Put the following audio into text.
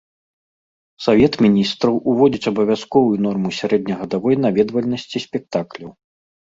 Савет міністраў уводзіць абавязковую норму сярэднегадавой наведвальнасці спектакляў.